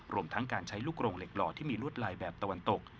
รวมทั้งการใช้ลูกโรงเหล็กหล่อที่มีลวดลายแบบตะวันตก